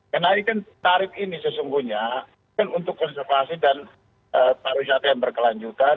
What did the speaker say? karena ini kan tarif ini sesungguhnya untuk konservasi dan pariwisata yang berkelanjutan